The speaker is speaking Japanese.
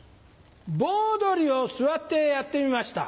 盆踊りを座ってやってみました。